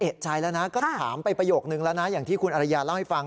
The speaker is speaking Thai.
เอกใจแล้วนะก็ถามไปประโยคนึงแล้วนะอย่างที่คุณอริยาเล่าให้ฟัง